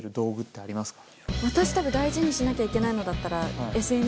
私多分大事にしなきゃいけないのだったら。